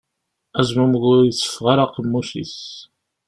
Azmumeg ur itteffeɣ ara aqemmuc-is.